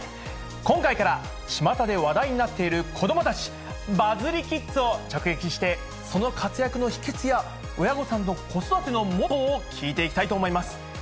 今回から、ちまたで話題になっている子どもたち、バズリキッズを直撃して、その活躍の秘けつや、親御さんの子育てのモットーを聞いていきたいと思います。